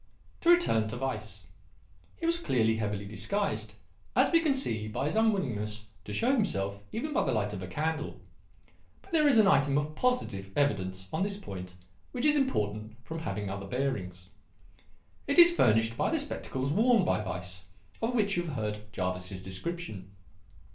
"To return to Weiss. He was clearly heavily disguised, as we see by his unwillingness to show himself even by the light of a candle. But there is an item of positive evidence on this point which is important from having other bearings. It is furnished by the spectacles worn by Weiss, of which you have heard Jervis's description.